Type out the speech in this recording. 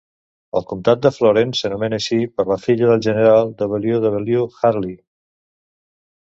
El comtat de Florence s'anomena així per la filla del general W. W. Harllee.